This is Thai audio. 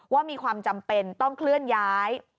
ว่ามีความจำเป็นต้องเคลื่อนย้าย